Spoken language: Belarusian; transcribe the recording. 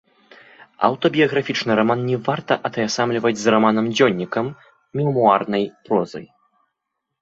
Аўтабіяграфічны раман не варта атаясамліваць з раманам-дзённікам, мемуарнай прозай.